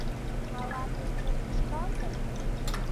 Ала пеш чот лӱшкалтын